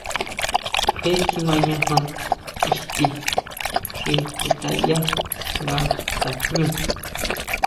Je kjimañaja ixti xi kutʼayá nga tajñú.